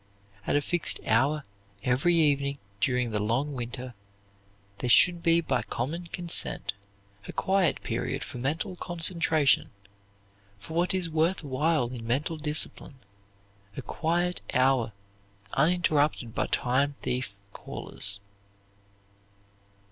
At a fixed hour every evening during the long winter there should be by common consent a quiet period for mental concentration, for what is worth while in mental discipline, a quiet hour uninterrupted by time thief callers.